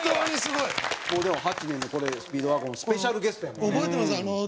でも２００８年のこれスピードワゴンスペシャルゲストやもんね。